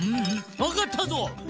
わかったぞ！